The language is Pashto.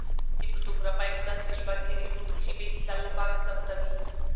د فوتوګرافۍ هنر د ژوند تېرېدونکې شېبې د تل لپاره ثبتوي.